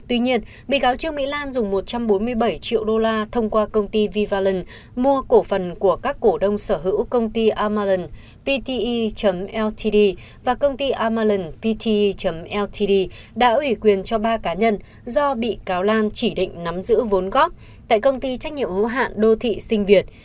một mươi bảy triệu đô la thông qua công ty vivalent mua cổ phần của các cổ đông sở hữu công ty amalanpte ltd và công ty amalanpte ltd đã ủy quyền cho ba cá nhân do bị cáo lan chỉ định nắm giữ vốn góp tại công ty trách nhiệm hô hạn đô thị sinh việt